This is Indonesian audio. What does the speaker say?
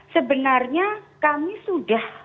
sebenarnya kami sudah